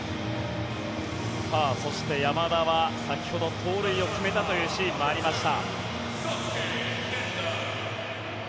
そして山田は先ほど盗塁を決めたというシーンもありました。